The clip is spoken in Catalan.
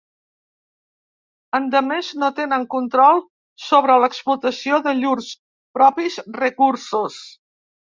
Endemés, no tenen control sobre l'explotació de llurs propis recursos.